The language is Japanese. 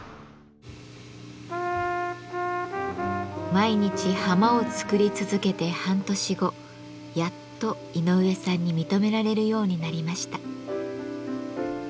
毎日ハマを作り続けて半年後やっと井上さんに認められるようになりました。